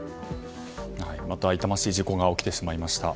また痛ましい事故が起きてしまいました。